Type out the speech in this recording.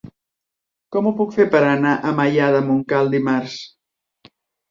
Com ho puc fer per anar a Maià de Montcal dimarts?